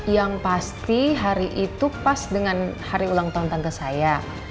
yang pasti hari itu pas dengan hari ulang tahun tante saya